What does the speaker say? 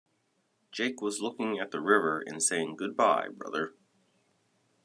Jake was looking at the river and saying Goodbye, brother.